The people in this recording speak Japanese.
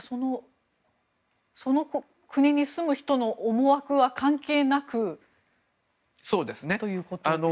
その国に住む人の思惑は関係なくということですか。